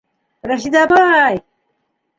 Рәшиҙә апай!